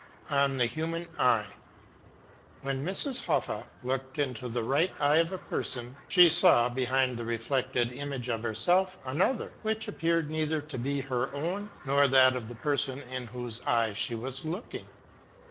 ON THE HUMAN EYE. When Mrs. H looked into the right eye of a person, she saw, behind the reflected image of herself, another, which appeared neither to be her own, nor that of the person in whose eye she was looking.